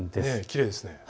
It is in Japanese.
きれいですね。